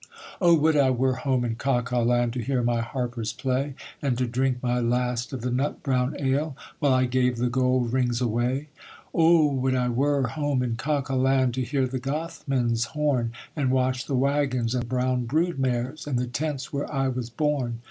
'Oh would I were home in Caucaland, To hear my harpers play, And to drink my last of the nut brown ale, While I gave the gold rings away. 'Oh would I were home in Caucaland, To hear the Gothmen's horn, And watch the waggons, and brown brood mares And the tents where I was born.